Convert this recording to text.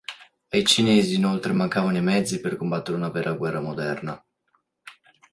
Ai cinesi inoltre mancavano i mezzi per combattere una vera guerra moderna.